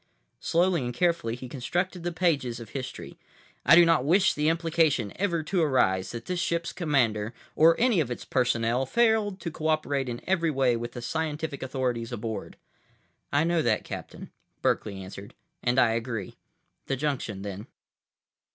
Slowly and carefully, he constructed the pages of history. "I do not wish the implication ever to arise that this ship's commander, or any of its personnel, failed to cooperate in every way with the scientific authorities aboard." "I know that, Captain," Berkeley answered. "And I agree. The junction, then."